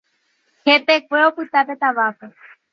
Hetekue opyta pe távape.